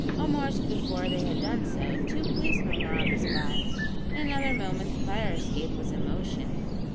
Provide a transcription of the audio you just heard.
Almost before they had done so, two policemen were on the spot, and in another moment the fire escape was in motion.